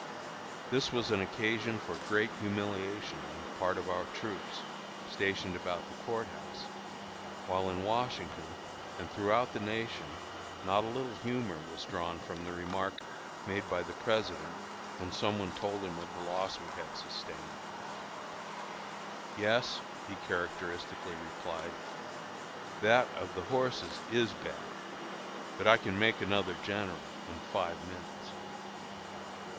This was an occasion for great humiliation on the part of our troops, stationed about the Court House, while in Washington and throughout the nation not a little humor was drawn from the remark made by the President when some one told him of the loss we had sustained; "Yes," he characteristically replied, "that of the horses is bad; but I can make another general in five minutes."